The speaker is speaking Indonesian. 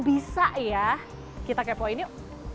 aduh bisa ya kita kepoin yuk